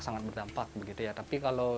sangat berdampak tapi kalau